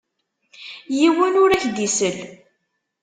Yiwen ur ak-d-isell.